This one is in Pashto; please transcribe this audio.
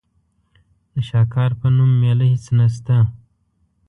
د شاکار په نوم مېله هېڅ نشته.